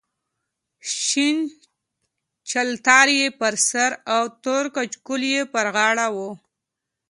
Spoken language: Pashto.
شین چلتار یې پر سر او تور کچکول یې پر غاړه و.